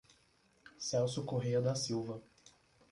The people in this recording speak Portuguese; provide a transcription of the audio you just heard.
Celso Correa da Silva